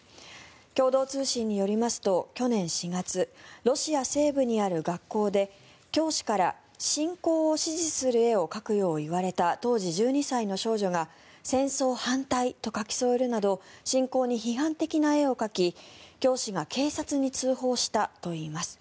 共同通信によりますと去年４月ロシア西部にある学校で教師から侵攻を支持する絵を描くよう言われた当時１２歳の少女が戦争反対と書き添えるなど侵攻に批判的な絵を描き教師が警察に通報したといいます。